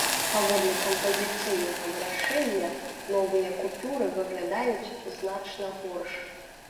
Паводле кампазіцыйнага вырашэння, новыя купюры выглядаюць значна горш.